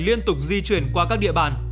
liên tục di chuyển qua các địa bàn